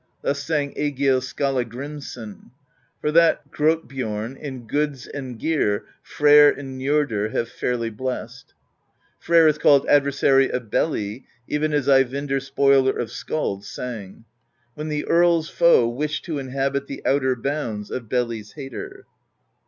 Thus sang Egill Skallagrimsson : For that Grjotbjorn In goods and gear Freyr and Njordr Have fairly blessed. Freyr is called Adversary of Beli, even as Eyvindr Spoiler of Skalds sang: When the Earl's foe Wished to inhabit The outer bounds Of Beli's hater.